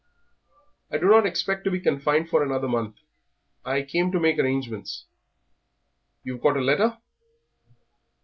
"I do not expect to be confined for another month. I came to make arrangements." "You've got a letter?"